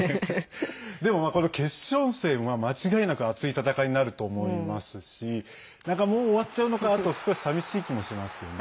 でも、この決勝戦は間違いなく熱い戦いになると思いますしなんか、もう終わっちゃうのかと少し寂しい気もしますよね。